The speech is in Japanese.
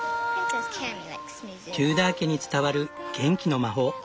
テューダー家に伝わる元気の魔法。